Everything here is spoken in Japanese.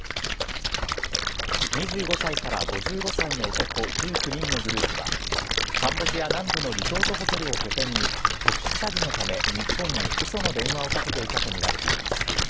２５歳から５５歳の男１９人のグループは、カンボジア南部のリゾートホテルを拠点に特殊詐欺のため日本にうその電話をかけていたと見られています。